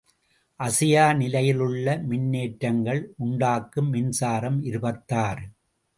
அசையா நிலையிலுள்ள மின்னேற்றங்கள் உண்டாக்கும் மின்சாரம் இருபத்தாறு.